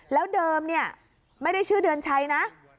แล้วเดิมเนี่ยไม่ได้ชื่อเดือนชัยนะ